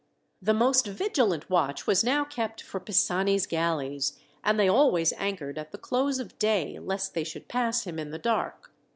The most vigilant watch was now kept for Pisani's galleys, and they always anchored at the close of day, lest they should pass him in the dark.